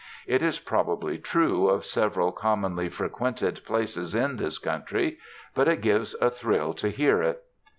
It is probably true of several commonly frequented places in this country. But it gives a thrill to hear it.